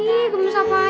ih gemes apaan aja